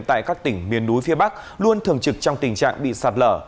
tại các tỉnh miền núi phía bắc luôn thường trực trong tình trạng bị sạt lở